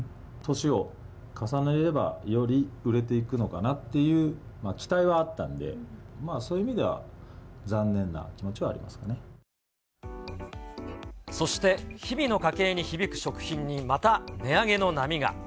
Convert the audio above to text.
年を重ねれば、より売れていくのかなっていう期待はあったんで、そういう意味では、そして、日々の家計に響く食品に、また値上げの波が。